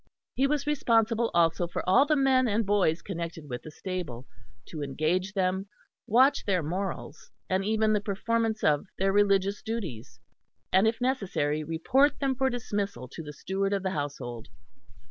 He was responsible also for all the men and boys connected with the stable; to engage them, watch their morals and even the performance of their religious duties, and if necessary report them for dismissal to the steward of the household.